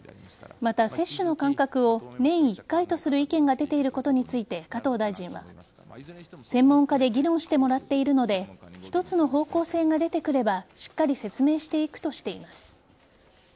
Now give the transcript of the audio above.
また、接種の間隔を年１回とする意見が出ていることについて加藤大臣は専門家で議論してもらっているので一つの方向性が出てくればしっかり説明していくとしています。